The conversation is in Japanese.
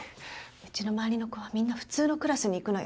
うちの周りの子はみんな普通のクラスに行くのよ。